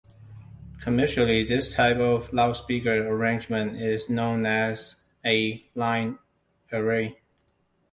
Commercially, this type of loudspeaker arrangement is known as a line array.